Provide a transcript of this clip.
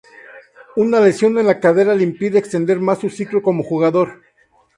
Una lesión en la cadera le impide extender más su ciclo como jugador.